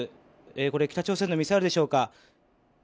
これ北朝鮮のミサイルでしょうか。